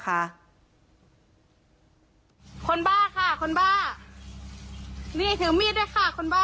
คนบ้าค่ะคนบ้านี่ถือมีดด้วยค่ะคนบ้า